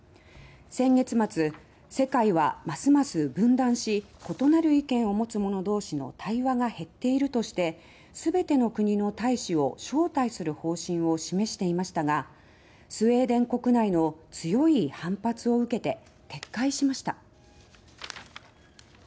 先月末、世界はますます分断し異なる意見を持つ者同士の対話が減っているとして全ての国の大使を招待する方針を示していましたがスウェーデン国内の強い反発を受けて撤回しました。